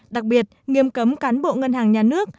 đặc biệt nghiêm cấm cán bộ ngân hàng nhà nước